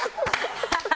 ハハハハ！